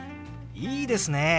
いいですね。